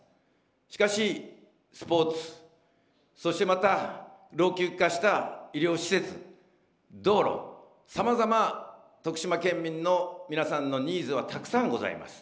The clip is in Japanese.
しかし、スポーツ、そして、また、老朽化した医療施設、道路、さまざま徳島県民の皆さんのニーズは、たくさんございます。